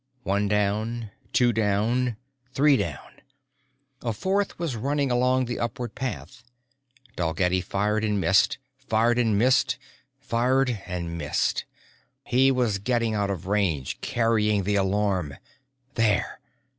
One down, two down, three down. A fourth was running along the upward path. Dalgetty fired and missed, fired and missed, fired and missed. He was getting out of range, carrying the alarm _there!